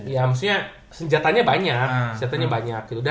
ya maksudnya senjatanya banyak